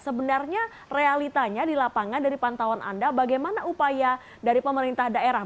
sebenarnya realitanya di lapangan dari pantauan anda bagaimana upaya dari pemerintah daerah